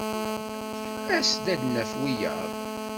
As-d ad d-naf wiyaḍ.